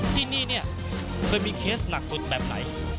ที่นี่เนี่ยเคยมีเคสหนักสุดแบบไหน